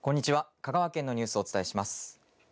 香川県のニュースをお伝えします。